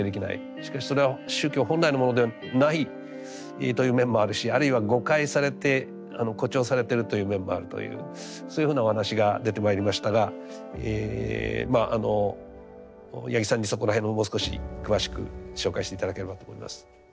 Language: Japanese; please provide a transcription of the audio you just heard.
しかしそれは宗教本来のものではないという面もあるしあるいは誤解されて誇張されてるという面もあるというそういうふうなお話が出てまいりましたが八木さんにそこら辺ももう少し詳しく紹介して頂ければと思います。